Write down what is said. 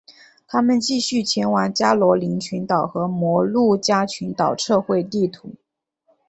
他们继续前往加罗林群岛和摩鹿加群岛测绘地图。